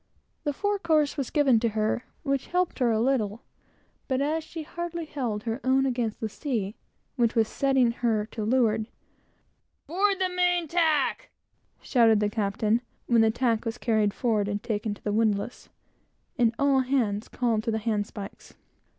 The fore course was given to her, which helped her a little; but as she hardly held her own against the sea which was settling her leeward "Board the main tack!" shouted the captain; when the tack was carried forward and taken to the windlass, and all hands called to the handspikes.